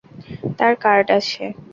তার কার্ড আছে।